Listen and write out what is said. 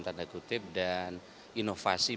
tanda kutip dan inovasi